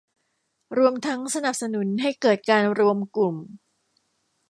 รวมทั้งสนับสนุนให้เกิดการรวมกลุ่ม